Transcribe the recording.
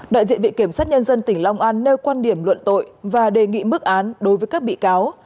đại diện viện kiểm sát nhân dân tỉnh long an nêu quan điểm luận tội và đề nghị mức án đối với các bị cáo